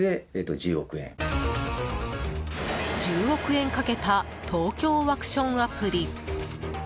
１０億円かけたＴＯＫＹＯワクションアプリ。